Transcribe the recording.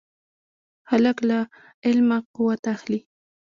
هلک له علمه قوت اخلي.